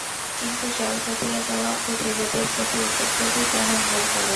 কিন্তু জাল কাটিয়া দেওয়া ও জেলেদের প্রতি উপদ্রবই তাহার মূল কারণ।